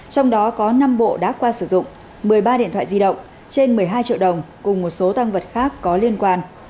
trong đó có năm bộ đã qua sử dụng một mươi ba điện thoại di động trên một mươi hai triệu đồng cùng một số tăng vật khác có liên quan